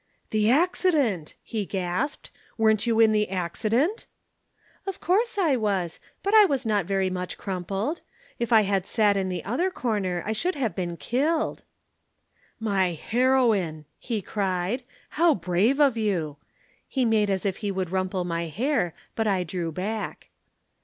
"'The accident!' he gasped. Weren't you in the accident?' "'Of course I was. But I was not very much crumpled. If I had sat in the other corner I should have been killed!" "'My heroine!' he cried. 'How brave of you!' He made as if he would rumple my hair but I drew back.